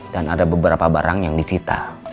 dan ada beberapa barang yang disita